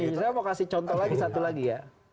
saya mau kasih contoh lagi satu lagi ya